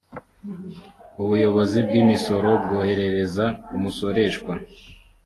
ubuyobozi bw imisoro bwoherereza umusoreshwa